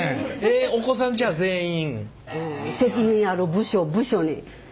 お子さんじゃあ全員。